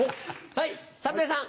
はい三平さん。